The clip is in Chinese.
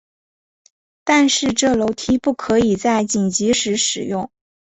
但是这楼梯不可以在紧急时使用。